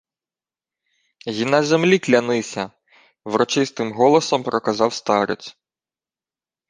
— Й на землі клянися, — врочистим голосом проказав старець.